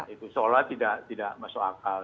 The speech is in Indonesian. itu seolah tidak masuk akal